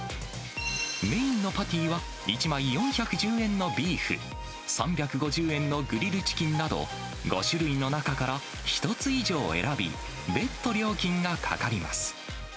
メインのパティは、１枚４１０円のビーフ、３５０円のグリルチキンなど、５種類の中から１つ以上選び、別途料金がかかります。